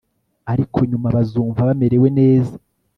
Ariko nyuma bazumva bamerewe neza